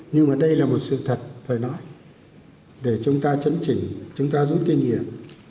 nhưng mà đây là một sự thật phải nói để chúng ta chấn chỉnh chúng ta rút kinh nghiệm